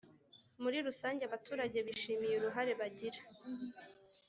Muri rusange abaturage bishimiye uruhare bagira.